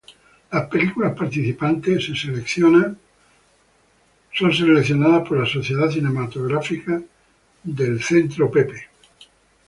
Las películas participantes son seleccionadas por la Sociedad Cinematográfica del Lincoln Center.